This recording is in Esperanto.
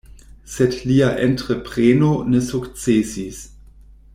Sed lia entrepreno ne sukcesis.